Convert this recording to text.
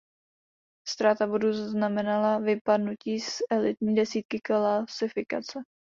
Ztráta bodů znamenala vypadnutí z elitní desítky klasifikace.